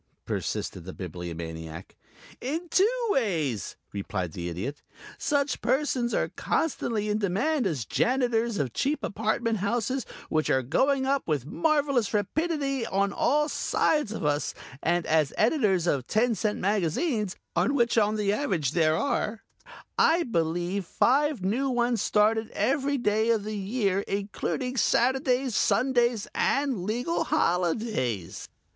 persisted the Bibliomaniac. "In two ways," replied the Idiot. "Such persons are constantly in demand as Janitors of cheap apartment houses which are going up with marvelous rapidity on all sides of us, and as Editors of ten cent magazines, of which on the average there are, I believe, five new ones started every day of the year, including Saturdays, Sundays and legal holidays."